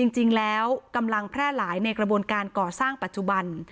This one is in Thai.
จริงแล้วกำลังแพร่หลายในกระบวนการก่อสร้างปัจจุบัน